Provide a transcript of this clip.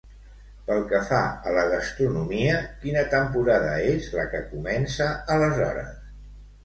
Pel que fa a la gastronomia, quina temporada és la que comença aleshores?